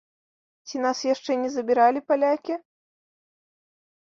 Ці нас яшчэ не забіралі палякі?